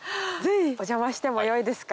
お邪魔してもよいですか？